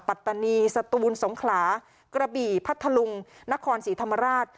ปัตตานีสตูนสงขลากระบี่พัทธลุงนครศรีธรรมราช